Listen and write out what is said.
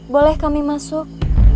boleh kami masuk